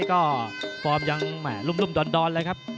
ก็ฟอร์มยังลุ่มดอนเลยครับ